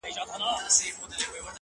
سیاه پوسي ده د مړو ورا ده-